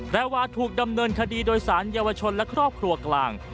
วาถูกดำเนินคดีโดยสารเยาวชนและครอบครัวกลาง